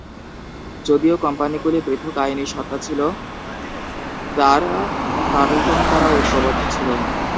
যদিও কোম্পানিগুলি পৃথক আইনী সত্তা ছিল, তারা কার্লটন দ্বারা ঐক্যবদ্ধ ছিল।